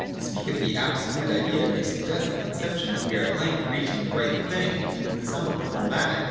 To speak of the absolute idea may suggest the conception that we are at length reaching the right thing and the sum of the whole matter.